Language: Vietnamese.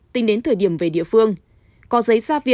tính đến thời điểm về địa phương